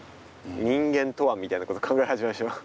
「人間とは？」みたいなこと考え始め。